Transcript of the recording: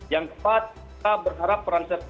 yang keempat kita berharap peran serta